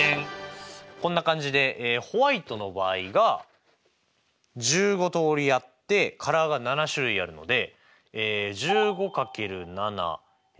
こんな感じでホワイトの場合が１５通りあってカラーが７種類あるので。